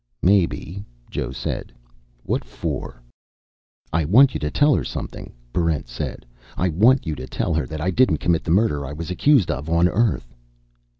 "Maybe," Joe said. "What for?" "I want you to tell her something," Barrent said. "I want you to tell her that I didn't commit the murder I was accused of on Earth."